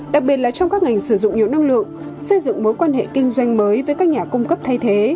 đặc biệt là trong các ngành sử dụng nhiều năng lượng xây dựng mối quan hệ kinh doanh mới với các nhà cung cấp thay thế